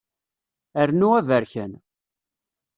Rnu aberkan.